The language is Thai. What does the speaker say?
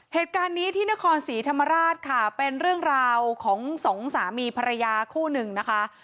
เหตุการณ์นี้ที่นครศรีธรรมราชค่ะเป็นเรื่องราวของสองสามีภรรยาคู่หนึ่งนะคะ